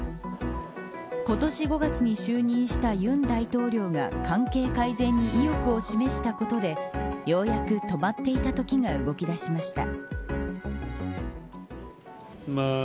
今年５月に就任した尹大統領が関係改善に意欲を示したことでようやく止まっていた時が動き出しました。